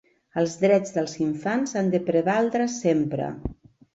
Els drets dels infants han de prevaldre sempre!